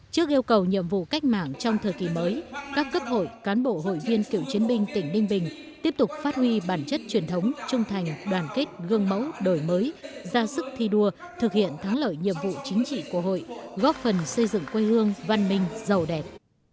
trước yêu cầu nhiệm vụ cách mạng trong thời kỳ mới các cấp hội cán bộ hội viên cựu chiến binh tỉnh đinh bình tiếp tục phát huy bản chất truyền thống trung thành đoàn kết gương mẫu đổi mới ra sức thi đua thực hiện thắng lợi nhiệm vụ chính trị của hội góp phần xây dựng quê hương văn minh giàu đẹp